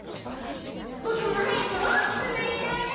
ボクもはやくおおきくなりたいな。